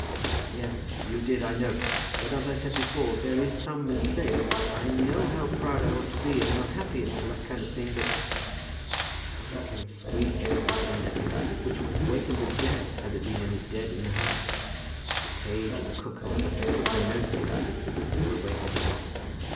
"Yes, you did, I know. But, as I said before, there is some mistake. I know how proud I ought to be, and how happy, and all that kind of thing. But " Then there came a screech from Madalina, which would have awakened the dead, had there been any dead in that house. The page and the cook, however, took no notice of it, whether they were awakened or not.